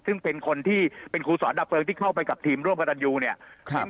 ซึ่งเป็นคนที่เป็นครูสอนดับเพลิงที่เข้าไปกับทีมร่วมกับตันยูเนี่ยครับ